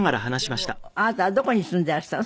でもあなたどこに住んでらしたの？